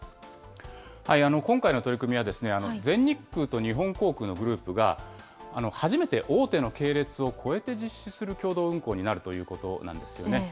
今回の取り組みは、全日空と日本航空のグループが、初めて大手の系列を超えて実施する共同運航になるということなんですよね。